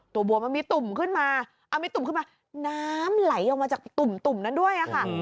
ตัวบวมมันมีตุ่มขึ้นมาน้ำไหลออกมาจากตุ่มนั้นด้วย